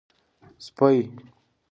سپۍ